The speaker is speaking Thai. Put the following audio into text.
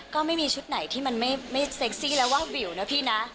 ก็ไม่มีชุดไหนที่มันไม่เซ็กซี่แล้วว่าวิวนะพี่นะ